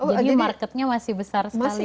jadi marketnya masih besar sekali